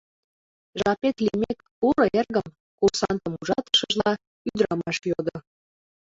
— Жапет лиймек, пуро, эргым, — курсантым ужатышыжла, ӱдырамаш йодо.